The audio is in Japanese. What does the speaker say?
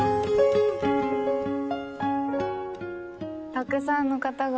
たくさんの方が。